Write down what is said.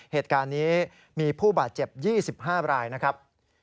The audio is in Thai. เหตุการณ์นี้มีผู้บาดเจ็บ๒๕รายนะครับ